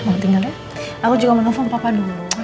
aku juga mau nelfon papa dulu